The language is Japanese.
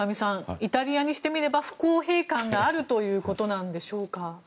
イタリアにしてみれば不公平感があるということなんでしょうか。